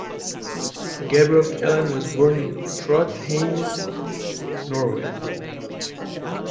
Gabriel Kielland was born in Trondheim, Norway.